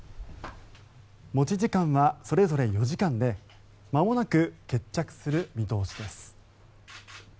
持ち時間はそれぞれ４時間でまもなく決着する見通しです。